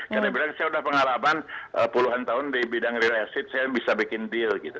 karena saya sudah punya pengharapan puluhan tahun di bidang real estate saya bisa bikin deal